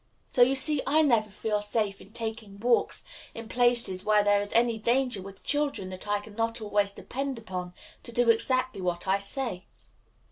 So you see I never feel safe in taking walks in places where there is any danger with children that I can not always depend upon to do exactly what I say."